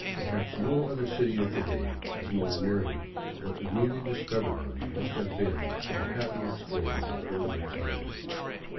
Perhaps no other city of to day is more nearly what a newly discovered one must have been to the happy explorers of earlier times.